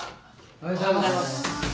おはようございます。